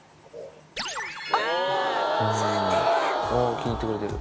気に入ってくれてる。